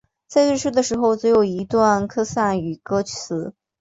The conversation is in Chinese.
在最初的时候只有一段科萨语歌词。